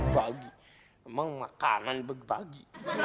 bagi emang makanan berbagi